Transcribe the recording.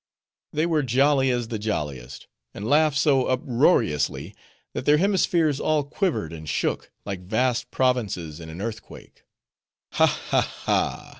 They were jolly as the jolliest; and laughed so uproariously, that their hemispheres all quivered and shook, like vast provinces in an earthquake. Ha! ha! ha!